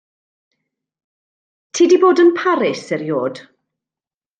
Ti 'di bod yn Paris erioed?